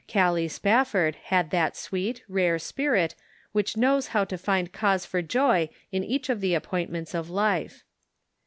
Gallic Spafford had that sweet, rare spirit, which knows how to find cause for joy in each of the appointments of life.